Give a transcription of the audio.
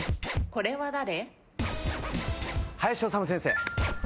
これは誰？